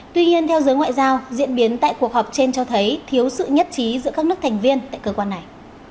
tuy nhiên theo giới ngoại giao diễn biến tại cuộc họp trên cho thấy thiếu sự nhất trí giữa các nước thành viên tại cơ quan này